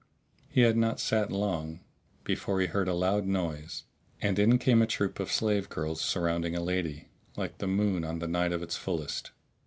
He had not sat long, be fore he heard a loud noise and in came a troop of slave girls surrounding a lady like the moon on the night of its fullest.